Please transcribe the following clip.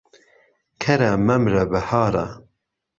کەرە مەمرە بەهارە.